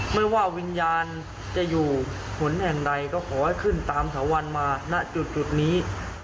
ไม่ว่าวิญญาณจะอยู่หนแห่งใดก็ขอให้ขึ้นตามถาวรรณมาณจุดนี้